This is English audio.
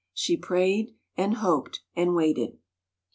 She prayed, and hoped, and waited.